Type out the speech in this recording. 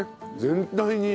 全体に。